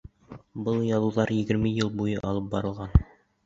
Был яҙыуҙар егерме йыл буйы алып барылған.